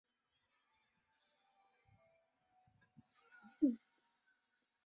首府为伊洛伊洛市。